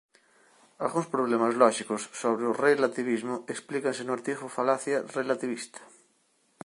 Algúns problemas lóxicos sobre o relativismo explícanse no artigo falacia relativista.